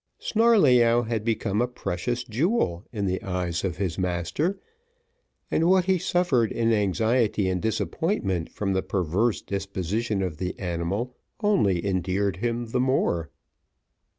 Snarleyyow had become a precious jewel in the eyes of his master, and what he suffered in anxiety and disappointment from the perverse disposition of the animal, only endeared him the more.